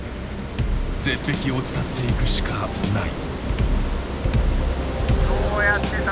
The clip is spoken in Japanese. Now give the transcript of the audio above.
絶壁を伝っていくしかない。